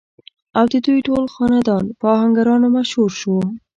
او ددوي ټول خاندان پۀ اهنګرانو مشهور شو ۔